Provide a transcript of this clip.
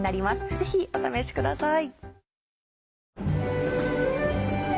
ぜひお試しください。